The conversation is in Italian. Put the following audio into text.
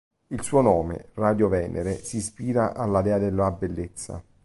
Il suo nome, Radio Venere si ispira alla dea della bellezza.